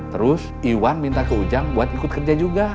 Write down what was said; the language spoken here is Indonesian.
terus iwan minta ke ujang buat ikut kerja juga